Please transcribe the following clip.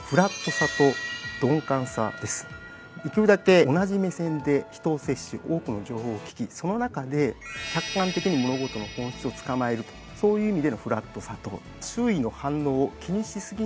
できるだけ同じ目線で人と接し多くの情報を聞きその中で客観的に物事の本質をつかまえるというそういう意味でのフラットさと周囲の反応を気にし過ぎない鈍感さ